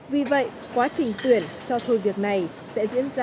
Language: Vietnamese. vì vậy quá trình tuyển cho sự việc này sẽ diễn ra